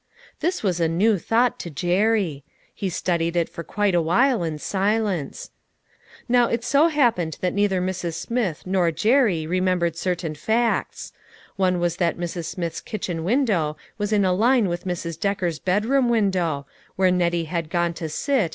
This was a new thought to Jerry. He studied it for awhile in silence. Now it so happened that neither Mrs. Smith nor Jerry remembered certain facts ; one was that Mrs. Smith's kitchen window was in a line with Mrs. Decker's bed room window, where Nettie had gone to sit